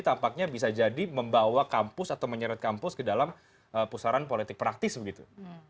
tampaknya bisa jadi membawa kampus atau menyeret kampus ke dalam pusaran politik praktis begitu